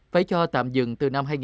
phải cho tạm dừng từ năm hai nghìn một mươi